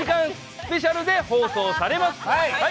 スペシャルで放送されます。